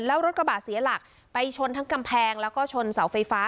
แล้วรถกระบะเสียหลักไปชนทั้งกำแพงแล้วก็ชนเสาไฟฟ้า